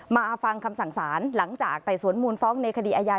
มาฟังคำสั่งสารหลังจากไต่สวนมูลฟ้องในคดีอาญา